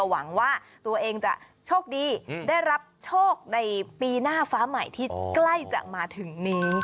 หวังว่าตัวเองจะโชคดีได้รับโชคในปีหน้าฟ้าใหม่ที่ใกล้จะมาถึงนี้